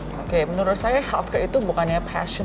oke menurut saya health care itu bukannya passion